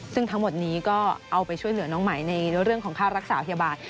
ซึ่งทั้งหมดนี้ก็เอาไปช่วยเหลือน้องไหมในเรื่องของค่ารักษาพยาบาล